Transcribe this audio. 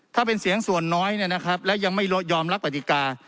ถ้าเป็นเสียงส่วนน้อยเนี่ยนะครับและยังไม่ยอมรับปฏิกา